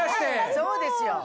そうですよ。